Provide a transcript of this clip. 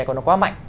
coi nó quá mạnh